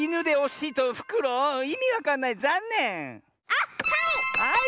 あっはい！